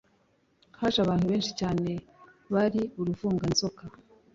haje bantu benshi cyane bari uruvunganzoka